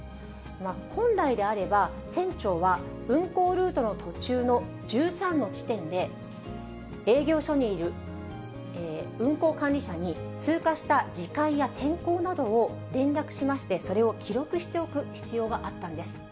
本来であれば、船長は、運航ルートの途中の１３の地点で、営業所にいる運航管理者に、通過した時間や天候などを連絡しまして、それを記録しておく必要があったんです。